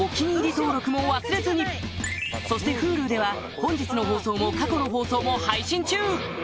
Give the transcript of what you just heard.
登録も忘れずにそしてＨｕｌｕでは本日の放送も過去の放送も配信中！